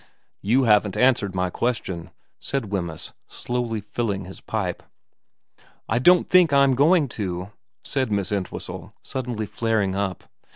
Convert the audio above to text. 4 You haven't answered my question,' said Wemyss, slowly filling his pipe. ' I don't think I'm going to,' said Miss Entwhistle, suddenly flaring up.